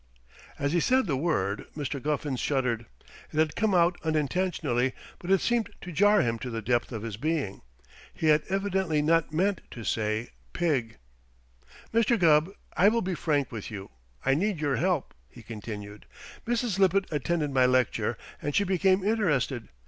As he said the word, Mr. Guffins shuddered. It had come out unintentionally, but it seemed to jar him to the depth of his being. He had evidently not meant to say pig. "Mr. Gubb, I will be frank with you. I need your help," he continued. "Mrs. Lippett attended my lecture, and she became interested.